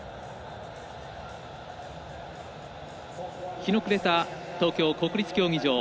日の暮れた東京・国立競技場。